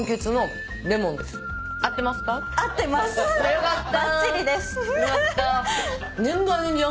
よかった。